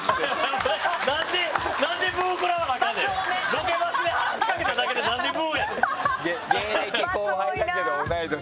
ロケバスで話しかけただけでなんでブ！やねん。